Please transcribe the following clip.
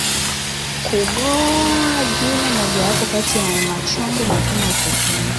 Kungoa jino mojawapo kati ya machonge mapema utotoni